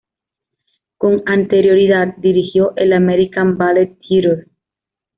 Con anterioridad dirigió el American Ballet Theatre.